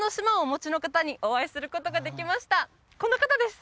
この方です！